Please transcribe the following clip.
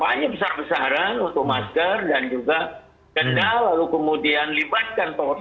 saya kira ini belum pernah dilakukan